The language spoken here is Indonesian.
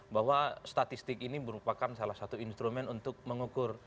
bahwa statistik ini merupakan salah satu instrumen untuk mengukur